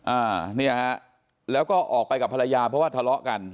อ่าเนี่ยฮะแล้วก็ออกไปกับภรรยาเพราะว่าทะเลาะกัน